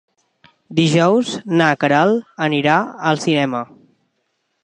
Dijous na Queralt anirà al cinema.